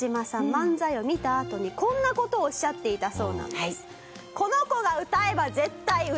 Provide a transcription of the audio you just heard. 漫才を見たあとにこんな事をおっしゃっていたそうなんです。